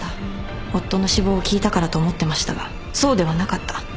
夫の死亡を聞いたからと思ってましたがそうではなかった。